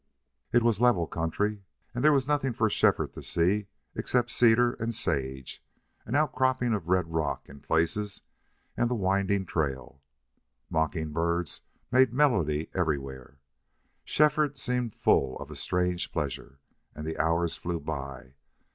It was level country, and there was nothing for Shefford to see except cedar and sage, an outcropping of red rock in places, and the winding trail. Mocking birds made melody everywhere. Shefford seemed full of a strange pleasure, and the hours flew by.